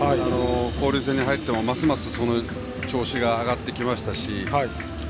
交流戦に入ってもますます調子が上がってきましたし